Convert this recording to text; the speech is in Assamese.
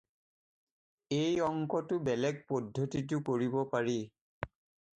এই অংকটো বেলেগ পদ্ধতিতো কৰিব পাৰি।